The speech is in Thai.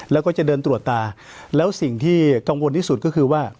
แล้วก็จะเดินตรวจตาแล้วสิ่งที่กังวลที่สุดก็คือว่า